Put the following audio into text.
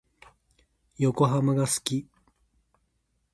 横浜が好き。